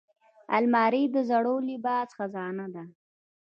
الماري د زوړ لباس خزانه ده